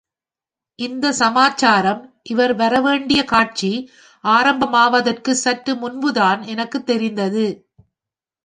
இந்த சமாச்சாரம் இவர் வரவேண்டிய காட்சி ஆரம்பமாவதற்குச் சற்று முன்புதான் எனக்குத் தெரிந்தது.